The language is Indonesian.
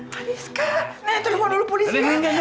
manis kak nenek telfon dulu polisi kak